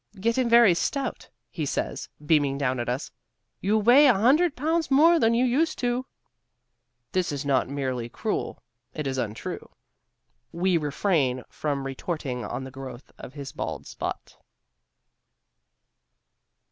"Getting very stout," he says, beaming down at us. "You weigh a hundred pounds more than you used to." This is not merely cruel; it is untrue. We refrain from retorting on the growth of his bald spot.